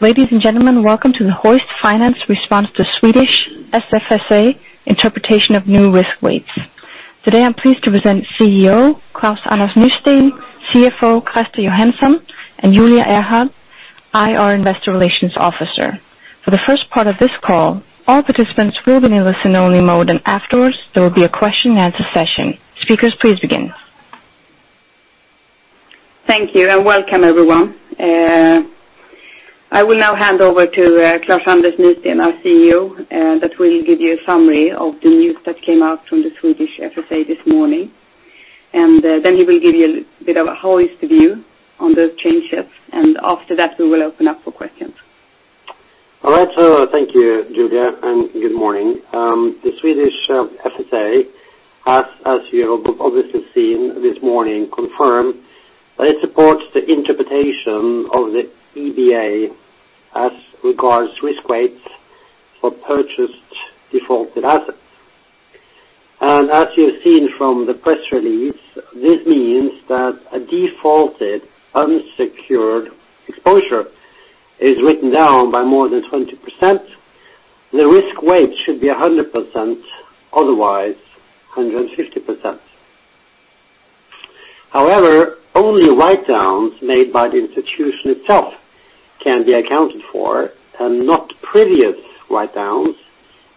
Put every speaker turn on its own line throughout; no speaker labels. Ladies and gentlemen, welcome to the Hoist Finance response to Swedish SFSA interpretation of new risk weights. Today, I am pleased to present CEO, Klaus-Anders Nysteen, CFO, Christer Johansson, and Julia Ehrhardt, IR Investor Relations Officer. For the first part of this call, all participants will be in listen only mode, afterwards there will be a question-and-answer session. Speakers, please begin.
Thank you, welcome everyone. I will now hand over to Klaus-Anders Nysteen, our CEO, that will give you a summary of the news that came out from the Swedish FSA this morning, he will give you a bit of a Hoist view on those changes, after that, we will open up for questions.
All right. Thank you, Julia, good morning. The Swedish FSA has, as you have obviously seen this morning, confirmed that it supports the interpretation of the EBA as regards risk weights for purchased defaulted assets. As you have seen from the press release, this means that a defaulted unsecured exposure is written down by more than 20%, the risk weight should be 100%, otherwise 150%. However, only write-downs made by the institution itself can be accounted for, not previous write-downs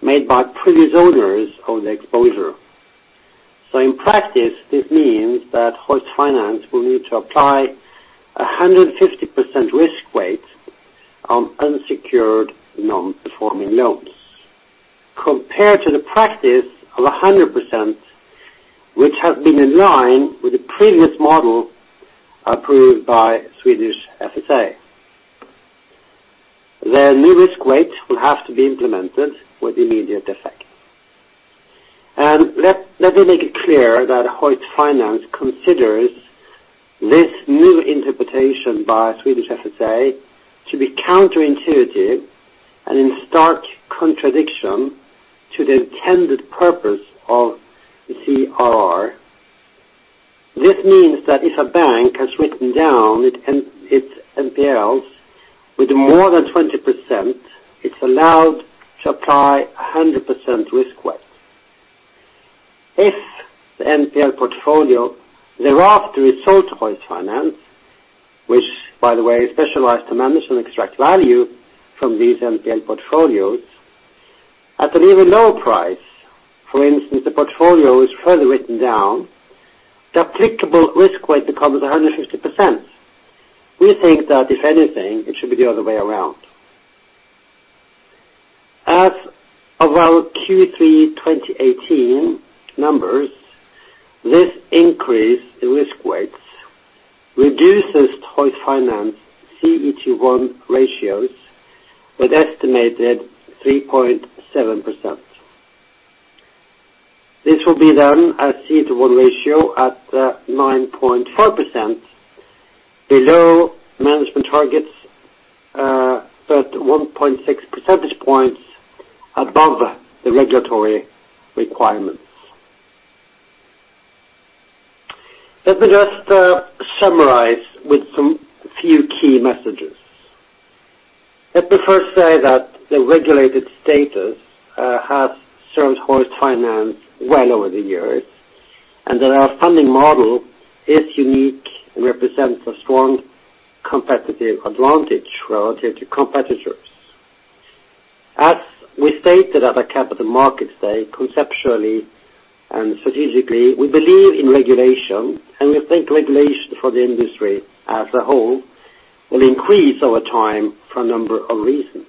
made by previous owners of the exposure. In practice, this means that Hoist Finance will need to apply 150% risk weight on unsecured non-performing loans, compared to the practice of 100%, which has been in line with the previous model approved by Swedish FSA. The new risk weight will have to be implemented with immediate effect. Let me make it clear that Hoist Finance considers this new interpretation by Swedish FSA to be counterintuitive and in stark contradiction to the intended purpose of the CRR. This means that if a bank has written down its NPLs with more than 20%, it's allowed to apply 100% risk weight. If the NPL portfolio thereafter is sold to Hoist Finance, which by the way specialize to manage and extract value from these NPL portfolios at an even lower price, for instance, the portfolio is further written down, the applicable risk weight becomes 150%. We think that if anything, it should be the other way around. As of our Q3 2018 numbers, this increase in risk weights reduces Hoist Finance CET1 ratios with estimated 3.7%. This will be done as CET1 ratio at 9.4%, below management targets, but 1.6 percentage points above the regulatory requirements. Let me just summarize with some few key messages. Let me first say that the regulated status has served Hoist Finance well over the years, and that our funding model is unique and represents a strong competitive advantage relative to competitors. As we stated at the Capital Markets Day, conceptually and strategically, we believe in regulation, and we think regulation for the industry as a whole will increase over time for a number of reasons.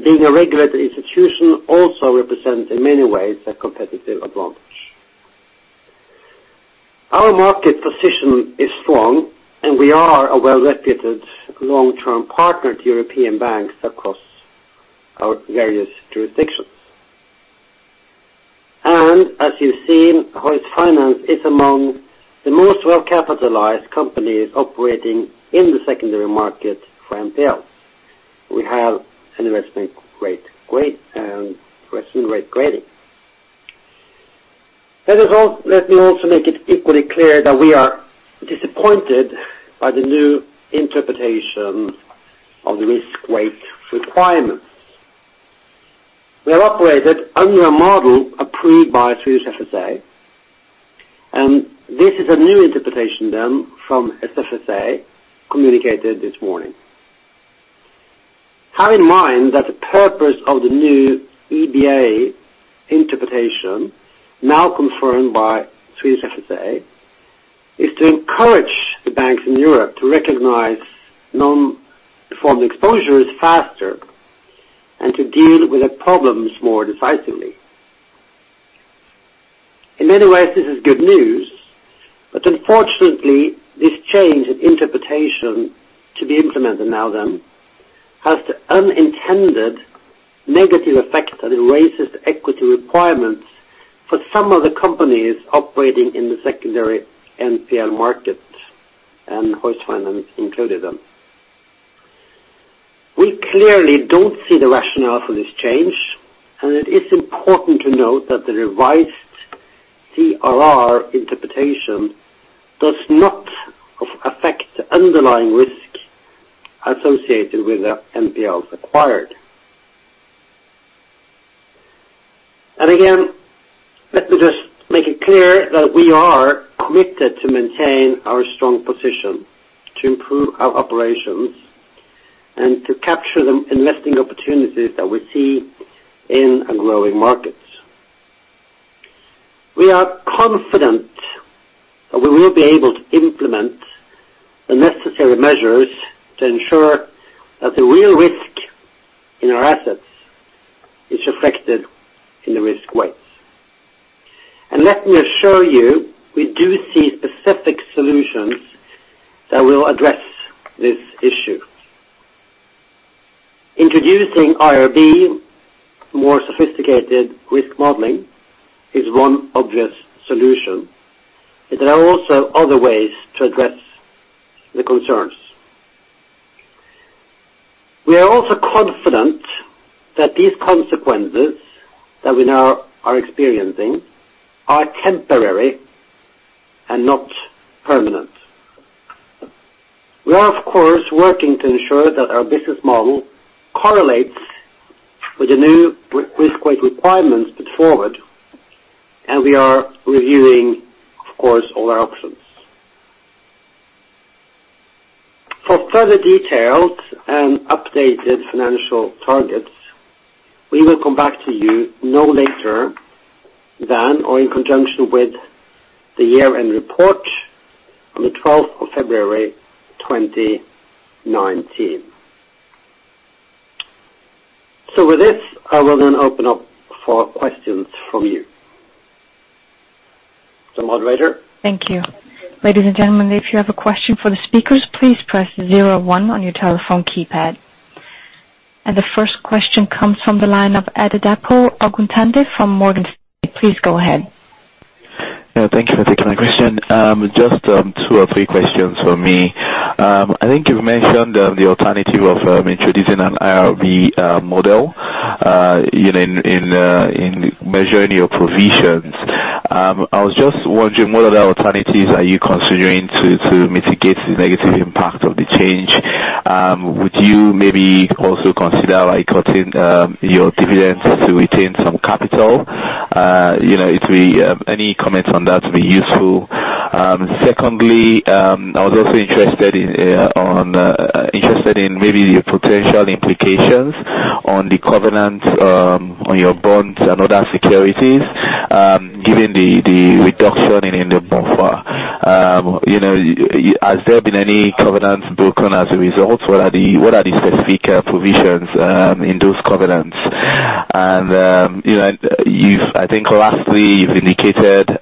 Being a regulated institution also represents, in many ways, a competitive advantage. Our market position is strong, and we are a well-reputed long-term partner to European banks across our various jurisdictions. As you've seen, Hoist Finance is among the most well-capitalized companies operating in the secondary market for NPL. We have an investment grade rating. Let me also make it equally clear that we are disappointed by the new interpretation of the risk weight requirements. We have operated under a model approved by Swedish FSA. This is a new interpretation from SFSA, communicated this morning. Have in mind that the purpose of the new EBA interpretation, now confirmed by Swedish FSA, is to encourage the banks in Europe to recognize non-performing exposures faster and to deal with the problems more decisively. Unfortunately, this change in interpretation to be implemented now, has the unintended negative effect that it raises equity requirements for some of the companies operating in the secondary NPL market, and Hoist Finance included them. We clearly don't see the rationale for this change. It is important to note that the revised CRR interpretation does not affect the underlying risk associated with the NPLs acquired. Again, let me just make it clear that we are committed to maintain our strong position, to improve our operations, and to capture the investing opportunities that we see in growing markets. We are confident that we will be able to implement the necessary measures to ensure that the real risk in our assets is reflected in the risk weights. Let me assure you, we do see specific solutions that will address this issue. Introducing IRB, more sophisticated risk modeling, is one obvious solution, but there are also other ways to address the concerns. We are also confident that these consequences that we now are experiencing are temporary and not permanent. We are, of course, working to ensure that our business model correlates with the new risk weight requirements put forward. We are reviewing, of course, all our options. For further details and updated financial targets, we will come back to you no later than or in conjunction with the year-end report on the 12th of February 2019. With this, I will open up for questions from you. The moderator?
Thank you. Ladies and gentlemen, if you have a question for the speakers, please press 01 on your telephone keypad. The first question comes from the line of Adedapo Oguntade from Morgan Stanley. Please go ahead.
Yeah, thank you for taking my question. Just two or three questions from me. I think you've mentioned the alternative of introducing an IRB model in measuring your provisions. I was just wondering, what other alternatives are you considering to mitigate the negative impact of the change? Would you maybe also consider cutting your dividends to retain some capital? Any comments on that will be useful. Secondly, I was also interested in maybe your potential implications on the covenant on your bonds and other securities, given the reduction in the buffer. Has there been any covenants broken as a result? What are the specific provisions in those covenants? I think lastly, you've indicated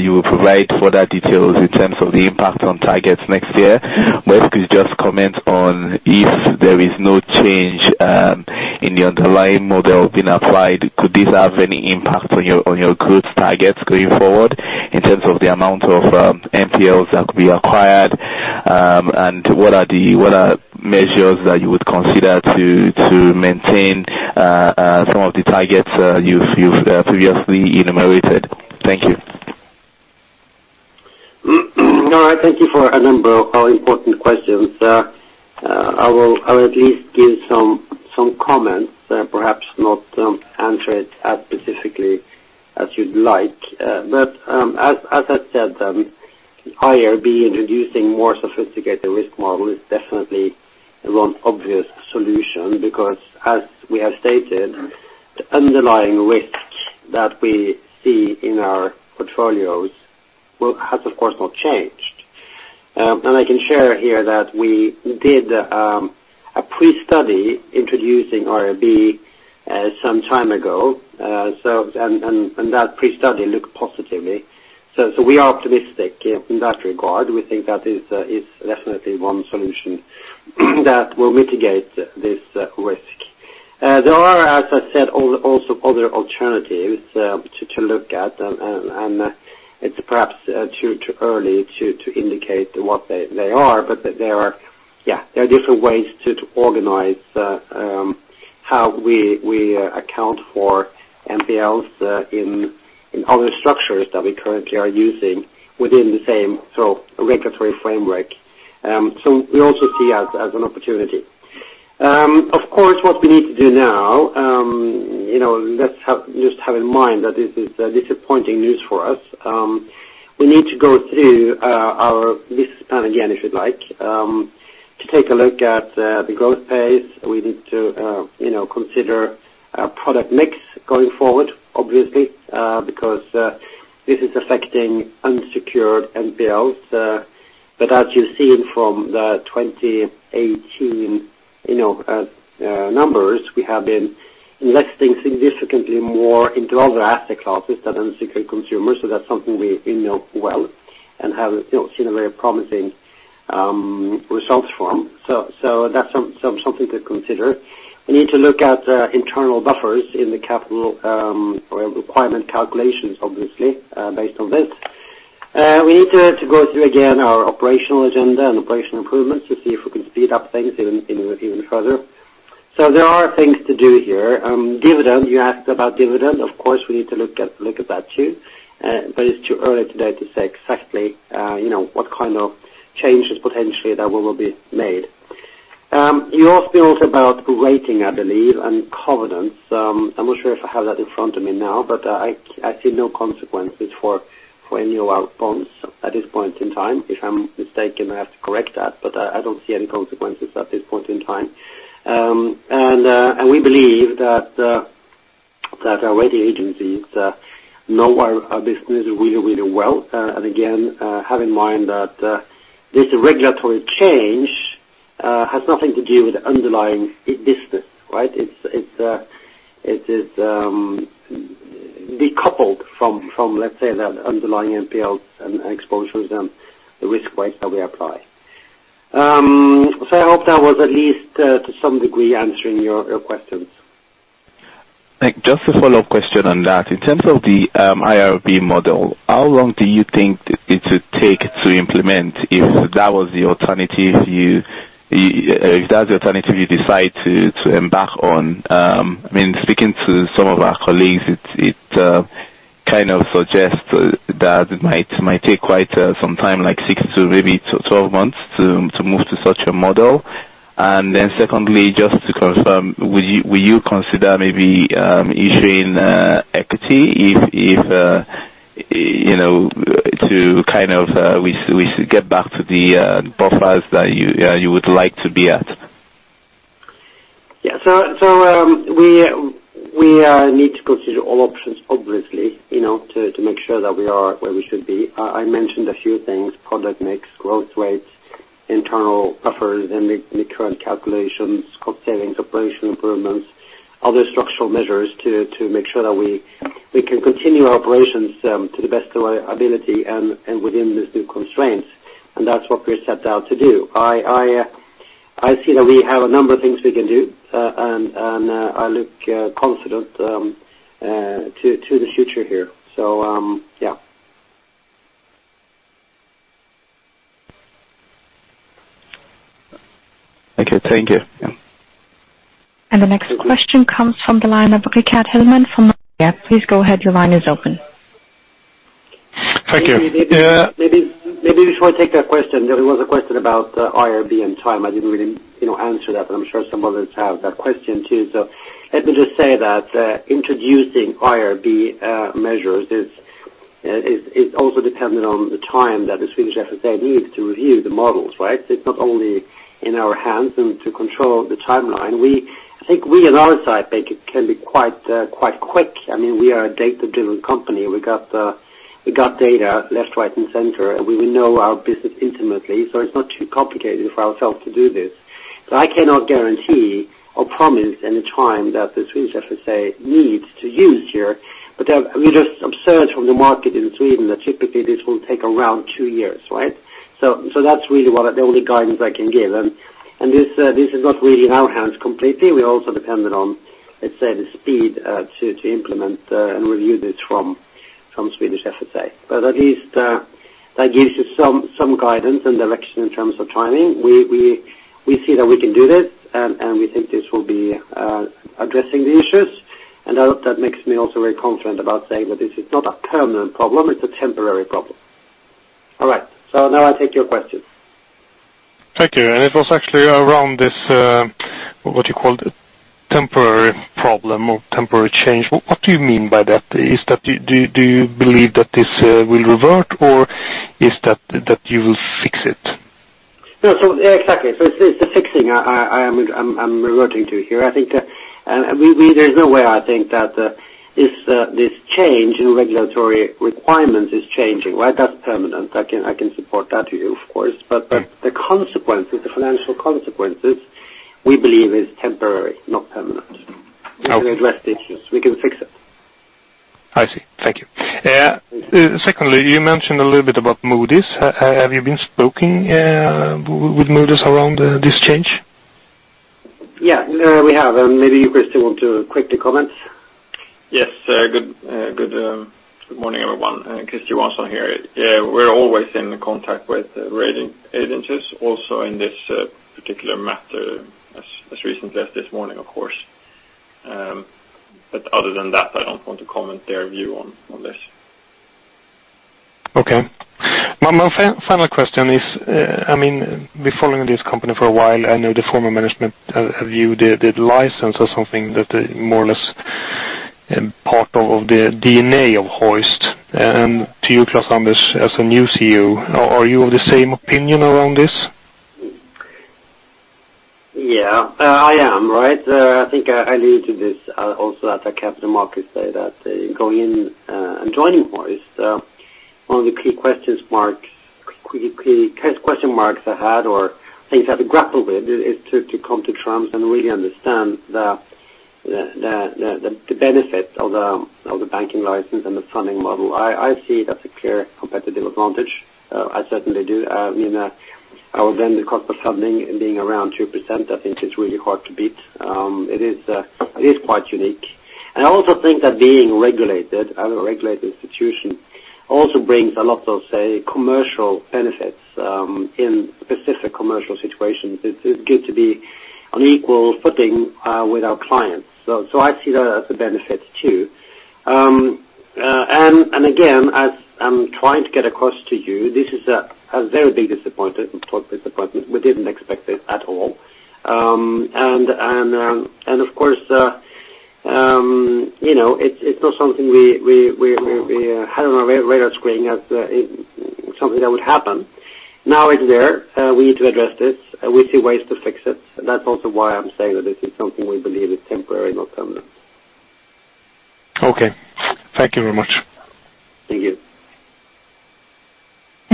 you will provide further details in terms of the impact on targets next year. Could you just comment on if there is no change in the underlying model being applied, could this have any impact on your growth targets going forward in terms of the amount of NPLs that could be acquired? What are measures that you would consider to maintain some of the targets you've previously enumerated? Thank you.
All right. Thank you for a number of important questions. I will at least give some comments, perhaps not answer it as specifically as you'd like. As I said, IRB introducing more sophisticated risk model is definitely one obvious solution because, as we have stated, the underlying risk that we see in our portfolios has, of course, not changed. I can share here that we did a pre-study introducing IRB some time ago. That pre-study looked positively. We are optimistic in that regard. We think that is definitely one solution that will mitigate this risk. There are, as I said, also other alternatives to look at, and it's perhaps too early to indicate what they are. There are different ways to organize how we account for NPLs in other structures that we currently are using within the same regulatory framework. We also see as an opportunity. Of course, what we need to do now, let's just have in mind that this is disappointing news for us. We need to go through our business plan again, if you'd like, to take a look at the growth pace. We need to consider our product mix going forward, obviously because this is affecting unsecured NPLs. As you've seen from the 2018 numbers, we have been investing significantly more into other asset classes than unsecured consumers. That's something we know well and have seen very promising results from. That's something to consider. We need to look at internal buffers in the capital requirement calculations, obviously, based on this. We need to go through again our operational agenda and operational improvements to see if we can speed up things even further. There are things to do here. Dividend, you asked about dividend. Of course, we need to look at that too, but it's too early today to say exactly what kind of changes potentially that will be made. You asked me also about rating, I believe, and covenants. I'm not sure if I have that in front of me now, but I see no consequences for any of our bonds at this point in time. If I'm mistaken, I have to correct that, but I don't see any consequences at this point in time. We believe that our rating agencies know our business really well. Again, have in mind that this regulatory change has nothing to do with underlying business. It is decoupled from, let's say, the underlying NPL and exposure, the risk weights that we apply. I hope that was at least to some degree answering your questions.
Just a follow-up question on that. In terms of the IRB model, how long do you think it would take to implement if that's the alternative you decide to embark on? Speaking to some of our colleagues, it kind of suggests that it might take quite some time, like six to maybe 12 months to move to such a model. Secondly, just to confirm, will you consider maybe issuing equity we get back to the profiles that you would like to be at?
Yeah. We need to consider all options, obviously, to make sure that we are where we should be. I mentioned a few things, product mix, growth rates, internal buffers, and the current calculations, cost savings, operational improvements, other structural measures to make sure that we can continue our operations to the best of our ability and within these new constraints. That's what we're set out to do. I see that we have a number of things we can do, and I look confident to the future here. Yeah.
Okay. Thank you.
The next question comes from the line of Rickard Hellman. Please go ahead, your line is open.
Thank you.
Maybe before I take that question, there was a question about IRB and time. I didn't really answer that, but I'm sure some others have that question, too. Let me just say that introducing IRB measures is also dependent on the time that the Swedish FSA needs to review the models. It's not only in our hands and to control the timeline. I think we on our side can be quite quick. We are a data-driven company. We got data left, right, and center, and we know our business intimately, so it's not too complicated for ourselves to do this. I cannot guarantee or promise any time that the Swedish FSA needs to use here. We just observed from the market in Sweden that typically this will take around two years. That's really the only guidance I can give. This is not really in our hands completely. We also dependent on, let's say, the speed to implement and review this from Swedish FSA. At least that gives you some guidance and direction in terms of timing. We see that we can do this, and we think this will be addressing the issues. That makes me also very confident about saying that this is not a permanent problem. It's a temporary problem. All right. Now I take your question.
Thank you. It was actually around this, what you called temporary problem or temporary change. What do you mean by that? Do you believe that this will revert, or is that you will fix it?
Exactly. It's the fixing I'm reverting to here. There's no way I think that this change in regulatory requirements is changing. That's permanent. I can support that to you, of course. The financial consequences, we believe is temporary, not permanent.
Okay.
We can address the issues. We can fix it.
I see. Thank you. Secondly, you mentioned a little bit about Moody's. Have you been spoken with Moody's around this change?
Yeah. We have, maybe you, Christer, want to quickly comment?
Yes. Good morning, everyone. Christer Johansson here. We're always in contact with rating agencies, also in this particular matter, as recently as this morning, of course. Other than that, I don't want to comment their view on this.
Okay. My final question is, we've followed this company for a while. I know the former management view the license as something that more or less part of the DNA of Hoist. To you, Klaus-Anders, as a new CEO, are you of the same opinion around this?
Yeah. I am. I think I alluded to this also at the Capital Markets Day that going in and joining Hoist, one of the key question marks I had or things I had to grapple with is to come to terms and really understand the benefit of the banking license and the funding model. I see it as a clear competitive advantage. I certainly do. Our blended cost of funding being around 2%, I think is really hard to beat. It is quite unique. I also think that being regulated, as a regulated institution, also brings a lot of commercial benefits in specific commercial situations. It's good to be on equal footing with our clients. I see that as a benefit too. Again, as I'm trying to get across to you, this is a very big disappointment. We didn't expect this at all. Of course, it's not something we had on our radar screen as something that would happen. Now it's there. We need to address this, and we see ways to fix it. That's also why I'm saying that this is something we believe is temporary, not permanent.
Okay. Thank you very much.
Thank you.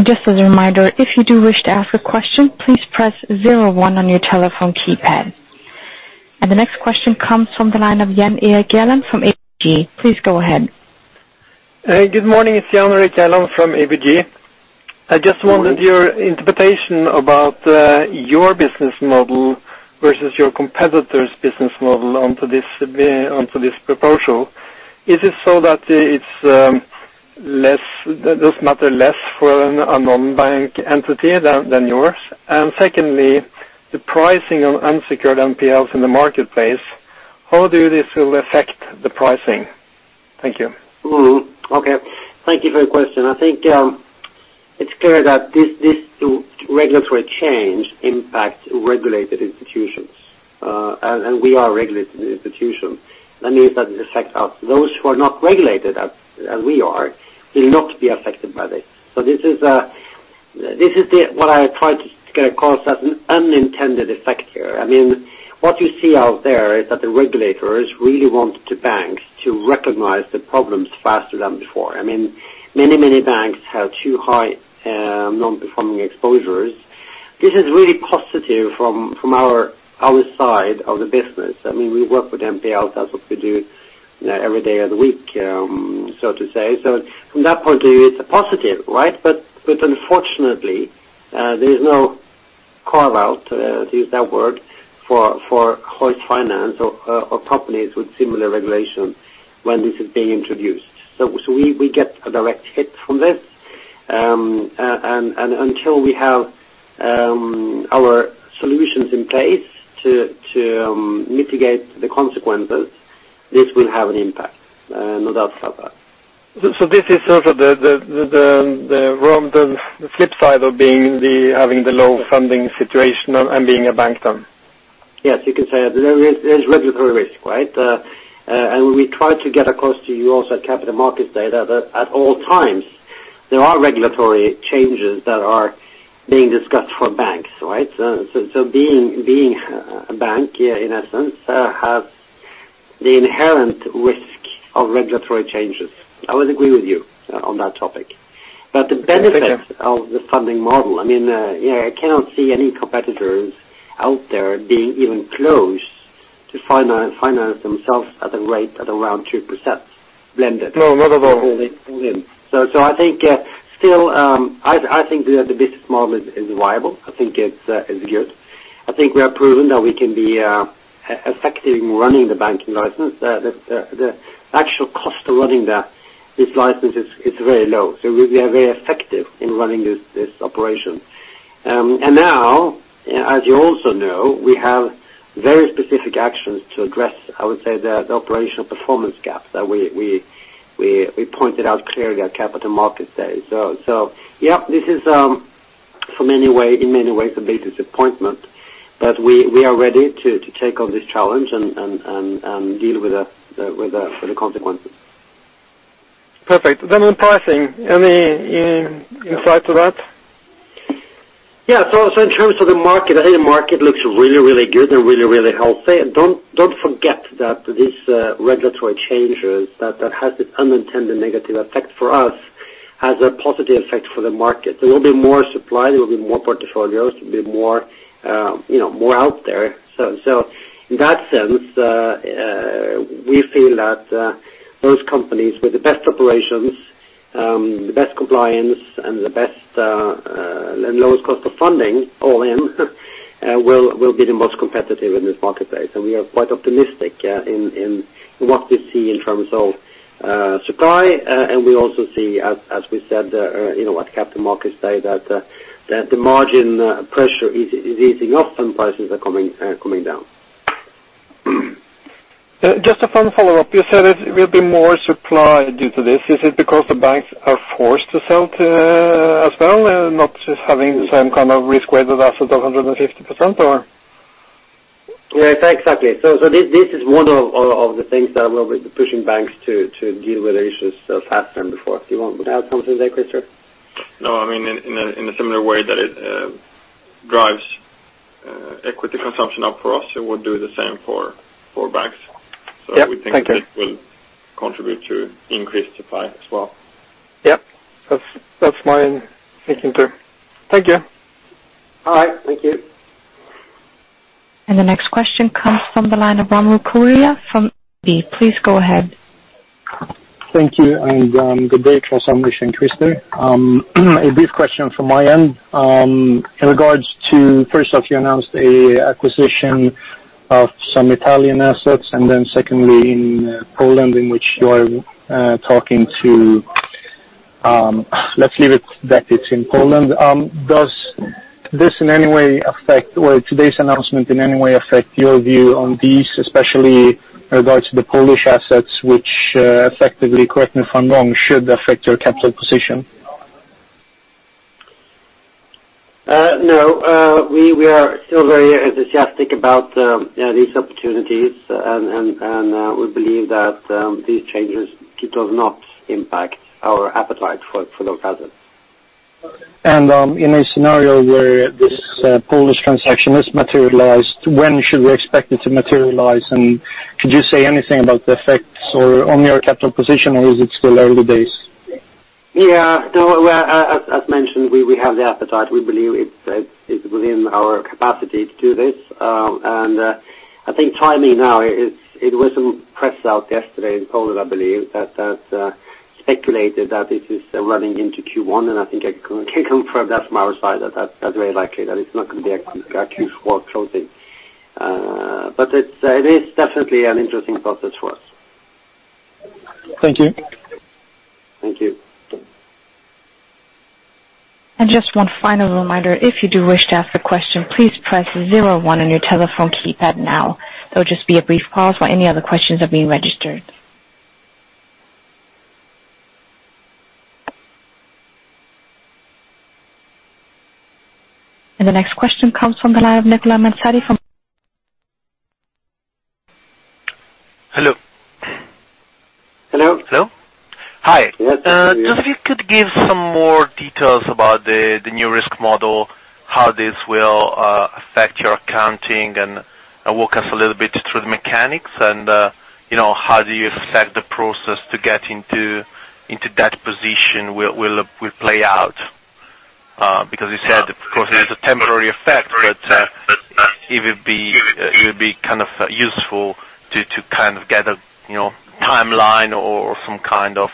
Just as a reminder, if you do wish to ask a question, please press zero one on your telephone keypad. The next question comes from the line of Jan Erik Gjerland from ABG. Please go ahead.
Hey, good morning. It's Jan Erik Gjerland from ABG. I just wondered your interpretation about your business model versus your competitor's business model onto this proposal. Is it so that it matters less for a non-bank entity than yours? Secondly, the pricing on unsecured NPLs in the marketplace, how do this will affect the pricing? Thank you.
Okay. Thank you for your question. I think it's clear that this regulatory change impacts regulated institutions, and we are a regulated institution. That means that it affects us. Those who are not regulated as we are, will not be affected by this. This is what I try to call such an unintended effect here. What you see out there is that the regulators really want the banks to recognize the problems faster than before. Many, many banks have too high non-performing exposures. This is really positive from our side of the business. We work with NPLs, that's what we do every day of the week, so to say. From that point of view, it's a positive, right? Unfortunately, there's no carve-out, to use that word, for Hoist Finance or companies with similar regulations when this is being introduced. We get a direct hit from this. Until we have our solutions in place to mitigate the consequences, this will have an impact, no doubt about that.
this is sort of the flip side of having the low funding situation and being a bank?
You can say there is regulatory risk, right? We try to get across to you also at Capital Markets Day that at all times there are regulatory changes that are being discussed for banks, right? Being a bank, in essence, has the inherent risk of regulatory changes. I would agree with you on that topic. The benefits of the funding model, I cannot see any competitors out there being even close to finance themselves at a rate at around 2% blended-
No, not at all
all in. I think the business model is viable. I think it's good. I think we have proven that we can be effective in running the banking license. The actual cost of running this license is very low. We are very effective in running this operation. Now, as you also know, we have very specific actions to address, I would say, the operational performance gaps that we pointed out clearly at Capital Markets Day. yeah, this is in many ways a big disappointment, but we are ready to take on this challenge and deal with the consequences.
Perfect. On pricing, any insight to that?
Yeah. In terms of the market, I think the market looks really, really good and really, really healthy. Don't forget that these regulatory changes that has this unintended negative effect for us, has a positive effect for the market. There will be more supply, there will be more portfolios, there will be more out there. In that sense, we feel that those companies with the best operations, the best compliance, and the lowest cost of funding all in, will be the most competitive in this marketplace. We are quite optimistic in what we see in terms of supply. We also see, as we said at Capital Markets Day, that the margin pressure is easing off and prices are coming down.
Just a final follow-up. You said there will be more supply due to this. Is it because the banks are forced to sell too as well, not just having the same kind of risk-weighted assets of 150% or?
Yeah, exactly. This is one of the things that will be pushing banks to deal with the issues faster than before. You want to add something there, Christer?
No, in a similar way that it drives equity consumption up for us, it would do the same for banks.
Yeah. Thank you.
We think this will contribute to increased supply as well.
Yep. That's my thinking too. Thank you.
All right. Thank you.
The next question comes from the line of Amro Korea from B. Please go ahead.
Thank you, good day, Klaus-Anders and Christer. A brief question from my end. In regards to, first off, you announced a acquisition of some Italian assets, and then secondly, in Poland, in which you are talking to Let's leave it that it's in Poland. Does this, in any way affect today's announcement, in any way affect your view on these, especially regards to the Polish assets, which effectively, correct me if I'm wrong, should affect your capital position?
No. We are still very enthusiastic about these opportunities. We believe that these changes, it does not impact our appetite for those assets.
In a scenario where this Polish transaction is materialized, when should we expect it to materialize, and could you say anything about the effects or on your capital position, or is it still early days?
No, as mentioned, we have the appetite. We believe it's within our capacity to do this. I think timing now, it was in press out yesterday in Poland, I believe, that speculated that this is running into Q1. I think I can confirm that from our side, that's very likely, that it's not going to be a Q4 closing. It is definitely an interesting process for us.
Thank you.
Thank you.
Just one final reminder, if you do wish to ask a question, please press zero one on your telephone keypad now. There'll just be a brief pause while any other questions are being registered. The next question comes from the line of Nicola Mansari.
Hello?
Hello.
Hello. Hi.
Yes.
Just if you could give some more details about the new risk model, how this will affect your accounting, and walk us a little bit through the mechanics and how do you expect the process to get into that position will play out. You said, of course, it is a temporary effect, but it would be useful to get a timeline or some kind of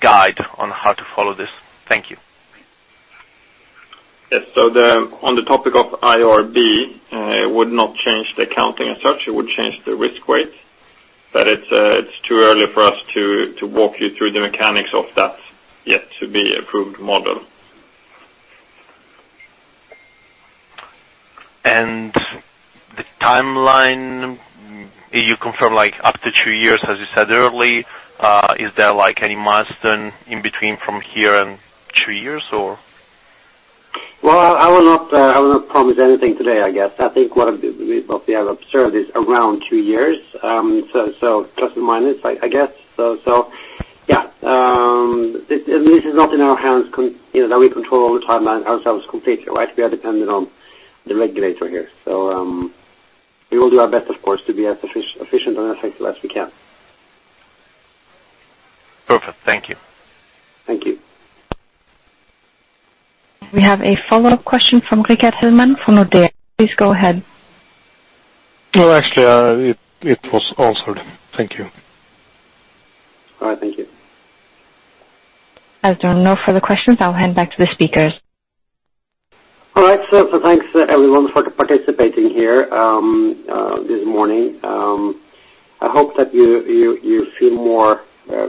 guide on how to follow this. Thank you.
Yes. On the topic of IRB, it would not change the accounting as such. It would change the risk weight. It is too early for us to walk you through the mechanics of that yet to be approved model.
The timeline, you confirm up to two years, as you said earlier. Is there any milestone in between from here and two years?
Well, I will not promise anything today, I guess. I think what we have observed is around two years. Plus or minus, I guess. This is not in our hands, that we control all the timeline ourselves completely, right? We are dependent on the regulator here. We will do our best, of course, to be as efficient and effective as we can.
Perfect. Thank you.
Thank you.
We have a follow-up question from Rickard Hellman, from Nordea. Please go ahead.
No, actually, it was answered. Thank you.
All right, thank you.
As there are no further questions, I'll hand back to the speakers.
All right, thanks everyone for participating here this morning. I hope that you feel more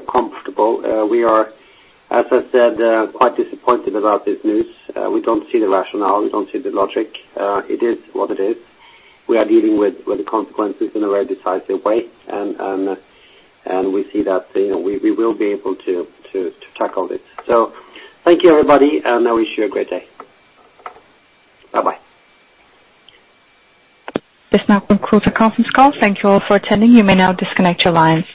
comfortable. We are, as I said, quite disappointed about this news. We don't see the rationale. We don't see the logic. It is what it is. We are dealing with the consequences in a very decisive way. We see that we will be able to tackle this. Thank you, everybody, and I wish you a great day. Bye-bye.
This now concludes the conference call. Thank you all for attending. You may now disconnect your lines.